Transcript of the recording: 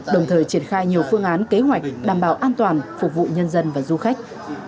đồng thời triển khai nhiều phương án kế hoạch đảm bảo an toàn phục vụ nhân dân và du khách